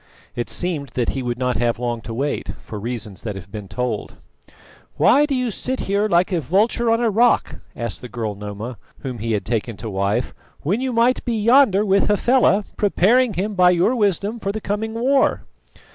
It seemed that he would not have long to wait, for reasons that have been told. "Why do you sit here like a vulture on a rock," asked the girl Noma, whom he had taken to wife, "when you might be yonder with Hafela, preparing him by your wisdom for the coming war?"